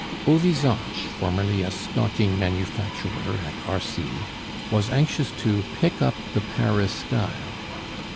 Beauvisage, formerly a stocking manufacturer at Arcis, was anxious to pick up the Paris style.